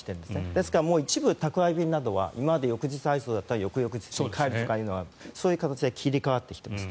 ですから、一部宅配便などは今まで翌日配送だったのが翌々日に変えるというそういう形で切り替わってきています。